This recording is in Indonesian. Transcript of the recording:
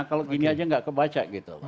kalau ini aja nggak kebaca